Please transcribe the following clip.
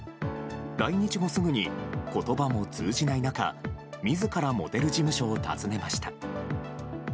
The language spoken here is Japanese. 来日後すぐに言葉も通じない中自らモデル事務所を訪ねました。